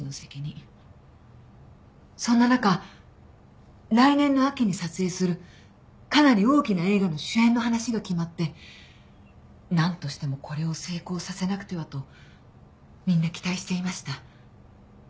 そんな中来年の秋に撮影するかなり大きな映画の主演の話が決まって何としてもこれを成功させなくてはとみんな期待していました。